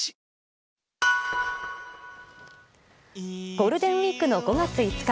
ゴールデンウィークの５月５日。